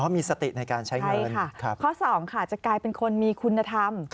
มีสติในการใช้เงินข้อสองค่ะจะกลายเป็นคนมีคุณธรรม